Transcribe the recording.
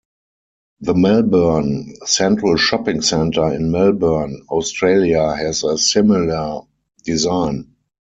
The Melbourne Central Shopping Centre in Melbourne, Australia has a similar design.